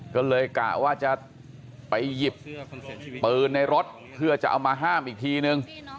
ก็เลยกะว่าจะไปหยิบปืนในรถเพื่อจะเอามาห้ามอีกทีนึง